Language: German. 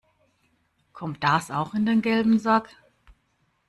Kommt das auch in den gelben Sack?